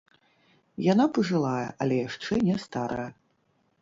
Яна пажылая, але яшчэ не старая.